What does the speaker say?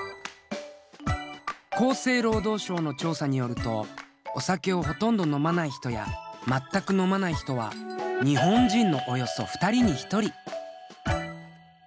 厚生労働省の調査によるとお酒をほとんど飲まない人やまったく飲まない人は日本人のおよそ２人に１人。